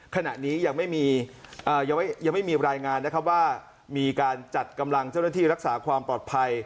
ขณะนี้ยังไม่มียังไม่มีรายงานนะครับว่ามีการจัดกำลังเจ้าหน้าที่รักษาความปลอดภัย